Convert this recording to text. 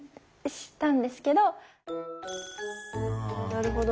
なるほど。